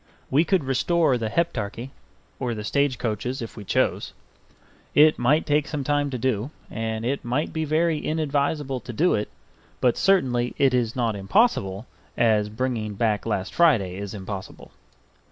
We could restore the Heptarchy or the stage coaches if we chose. It might take some time to do, and it might be very inadvisable to do it; but certainly it is not impossible as bringing back last Friday is impossible.